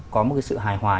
có một sự hài hòa